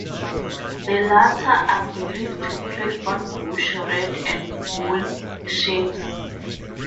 The latter are believed to prey on bush rat and bull shinks.